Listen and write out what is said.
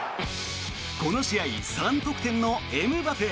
この試合３得点のエムバペ。